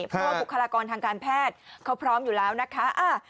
เพราะว่าบุคลากรทางการแพทย์เขาพร้อมอยู่แล้วนะคะ